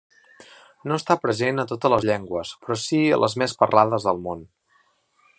No està present a totes les llengües però sí a les més parlades del món.